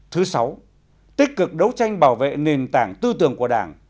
thứ sáu tích cực đấu tranh bảo vệ nền tảng tư tưởng của đảng